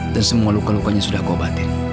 dan semua luka lukanya sudah aku obatin